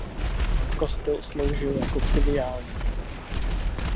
Kostel sloužil jako filiální.